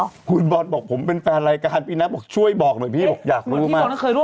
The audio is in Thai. คุณบอลบอกผมเป็นแฟนรายการพี่นัทบอกช่วยบอกหน่อยพี่บอกอยากรู้มาก